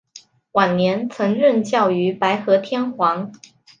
晚年曾任教于白河天皇。